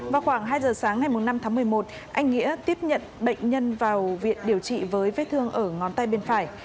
vào khoảng hai giờ sáng ngày năm tháng một mươi một anh nghĩa tiếp nhận bệnh nhân vào viện điều trị với vết thương ở ngón tay bên phải